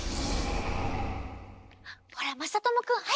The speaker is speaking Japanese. ほらまさともくんはやく！